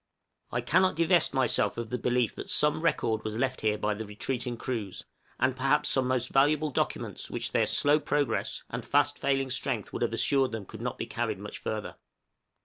I cannot divest myself of the belief that some record was left here by the retreating crews, and perhaps some most valuable documents which their slow progress and fast failing strength would have assured them could not be carried much further.